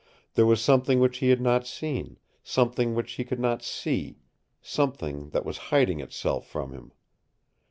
There was something which he had not seen, something which he could not see, something that was hiding itself from him.